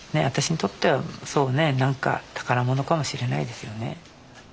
私にとってはそうね何か宝物かもしれないですよね。